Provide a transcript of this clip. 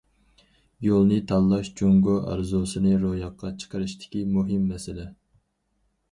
يولنى تاللاش جۇڭگو ئارزۇسىنى روياپقا چىقىرىشتىكى مۇھىم مەسىلە.